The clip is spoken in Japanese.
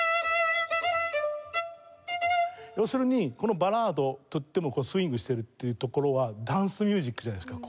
要するにこのバラードとってもスウィングしてるっていうところはダンス・ミュージックじゃないですか。